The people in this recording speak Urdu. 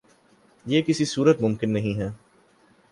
یہ کسی صورت ممکن نہیں ہے